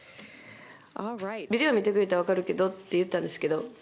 ビデオ見てくれたら分かるけどって言ってくれたんですけど。